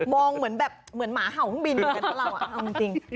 มองเหมือนหาวงบินอยู่กันกับเราอะ